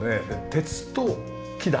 鉄と木だ。